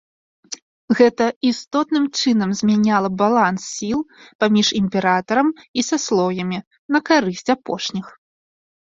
Гэта істотным чынам змяняла баланс сіл паміж імператарам і саслоўямі на карысць апошніх.